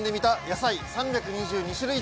野菜３２２種類